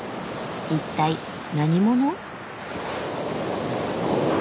一体何者？